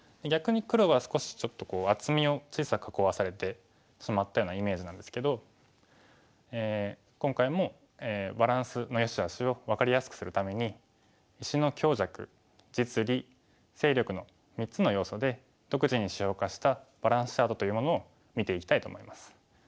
逆に黒は少しちょっとこう厚みを小さく囲わされてしまったようなイメージなんですけど今回もバランスの良し悪しを分かりやすくするために「石の強弱」「実利」「勢力」の３つの要素で独自に指標化したバランスチャートというものを見ていきたいと思います。